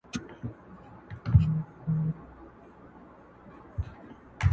o مجبوره ته مه وايه چي غښتلې.